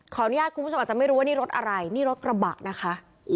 คุณผู้ชมอาจจะไม่รู้ว่านี่รถอะไรนี่รถกระบะนะคะ